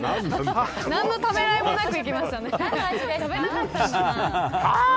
何のためらいもなくいきましたね。